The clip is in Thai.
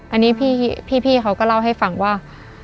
อันนี้พี่เขาก็เล่าให้ฟังว่า